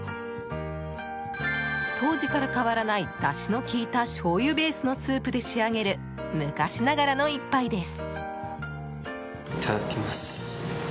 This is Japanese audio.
当時から変わらないだしの効いたしょうゆベースのスープで仕上げる、昔ながらの１杯です。